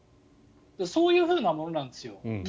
そういうものなんですよ。